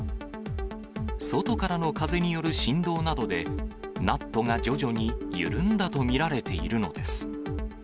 外からの風による振動などで、ナットが徐々に緩んだと見られているのです。